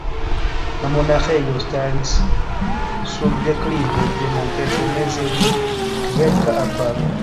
La monaĥejo staris sur deklivo de monteto, meze de kverka arbaro.